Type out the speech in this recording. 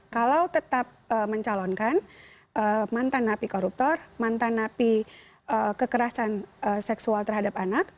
kalau tetap mencalonkan mantan napi koruptor mantan napi kekerasan seksual terhadap anak